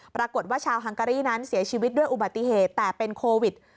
ปรากฏว่าชาวฮังการีนั้นเสียชีวิตด้วยอุบัติเหตุแต่เป็นโควิด